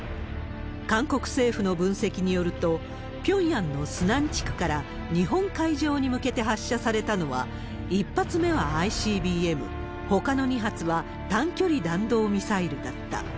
韓国政府の分析によると、ピョンヤンのスナン地区から日本海上に向けて発射されたのは、１発目はＩＣＢＭ、ほかの２発は短距離弾道ミサイルだった。